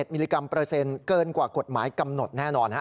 มิลลิกรัมเปอร์เซ็นต์เกินกว่ากฎหมายกำหนดแน่นอน